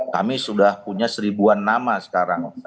kami sudah punya seribuan nama sekarang